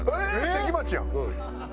関町やん！